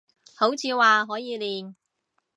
好似話可以練